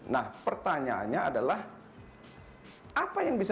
nah pertanyaannya adalah apa yang bisa